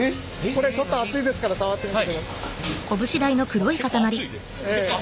これちょっと熱いですから触ってみてください。